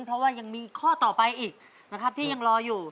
เพราะว่ายังมีข้อต่อไปอีกนะครับที่ยังรออยู่